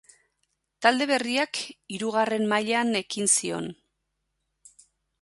Talde berriak hirugarren mailan ekin zion.